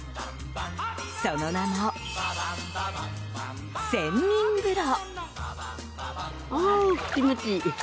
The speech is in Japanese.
その名も仙人風呂。